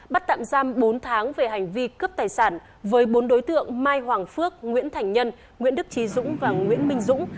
bắt tạm giam bốn tháng về hành vi cướp tài sản với bốn đối tượng mai hoàng phước nguyễn thành nhân nguyễn đức trí dũng và nguyễn minh dũng